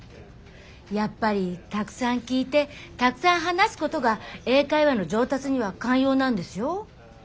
やっぱりたくさん聴いてたくさん話すことが英会話の上達には肝要なんですよ。